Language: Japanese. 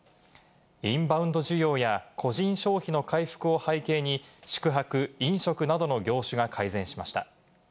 インバウンド需要や個人消費の回復を背景に宿泊・飲食などの業種が改善しました。